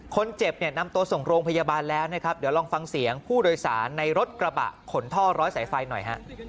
คนเจ็บเนี่ยนำตัวส่งโรงพยาบาลแล้วนะครับเดี๋ยวลองฟังเสียงผู้โดยสารในรถกระบะขนท่อร้อยสายไฟหน่อยฮะ